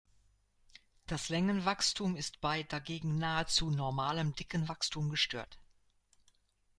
Das Längenwachstum ist bei dagegen nahezu normalem Dickenwachstum gestört.